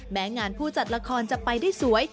แม้งานผู้จัดละครจะไปได้สวย